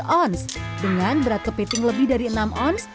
jika kita mencoba mencoba yang berat kepiting lebih dari enam oz